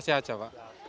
antisipasi aja pak